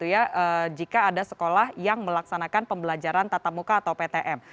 dengan ketat begitu ya jika ada sekolah yang melaksanakan pembelajaran tatap muka atau ptm